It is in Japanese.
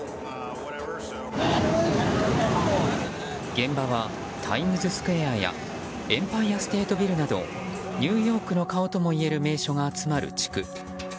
現場はタイムズスクエアやエンパイアステートビルなどニューヨークの顔ともいえる名所が集まる地区。